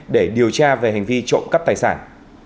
để điều tra về hành vi trộm cắp tài sản